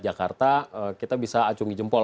jakarta kita bisa acungi jempol